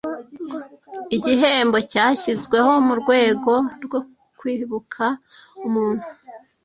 Igihembo cyashyizweho mu rwego rwo kwibuka umuntu